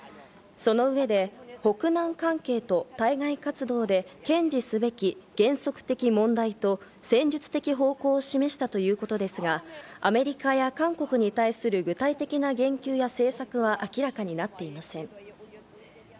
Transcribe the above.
その上で北南関係と対外活動で堅持すべき原則的問題と戦術的方向を示したということですが、アメリカや韓国に対する具体的な言及や政策は明らかになっていません。